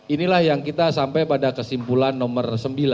inilah yang kita sampai pada kesimpulan nomor sembilan